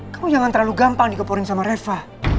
kamu jangan terlalu gampang digepurin sama reva